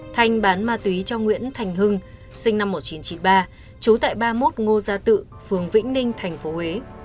thanh bán ma túy cho nguyễn thành hưng sinh năm một nghìn chín trăm chín mươi ba trú tại ba mươi một ngô gia tự phường vĩnh ninh tp huế